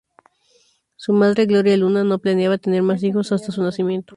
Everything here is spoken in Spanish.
Su madre, Gloria Luna, no planeaba tener más hijos hasta su nacimiento.